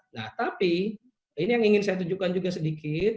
nah tapi ini yang ingin saya tunjukkan juga sedikit